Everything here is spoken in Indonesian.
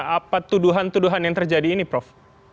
apa tuduhan tuduhan yang terjadi ini prof